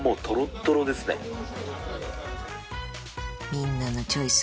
みんなのチョイス